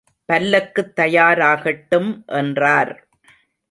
பல்லக்குத் தயாராகட்டும் என்றார்.